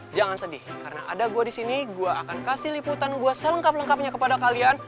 jangan sedih karena ada gua di sini gue akan kasih liputan gue selengkap lengkapnya kepada kalian